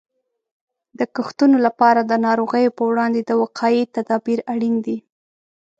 د کښتونو لپاره د ناروغیو په وړاندې د وقایې تدابیر اړین دي.